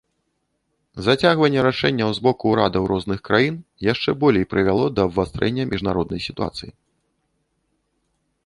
Зацягванне рашэнняў з боку ўрадаў розных краін яшчэ болей прывяло да абвастрэння міжнароднай сітуацыі.